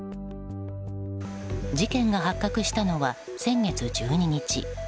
事件が発覚したのは先月１２日。